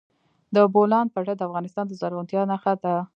د بولان پټي د افغانستان د زرغونتیا نښه ده.